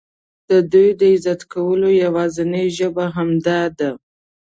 د دوی د عزت کولو یوازینۍ ژبه همدا ده.